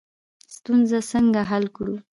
ستونزې څنګه حل کړو؟